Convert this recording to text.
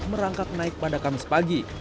merangkak naik pada kamis pagi